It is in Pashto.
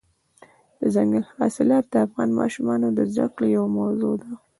دځنګل حاصلات د افغان ماشومانو د زده کړې یوه موضوع ده.